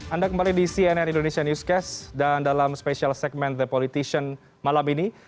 anda kembali di cnn indonesia newscast dan dalam special segmen the politician malam ini